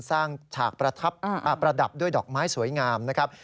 สร้างฉากประดับด้วยดอกไม้สวยงามนะครับ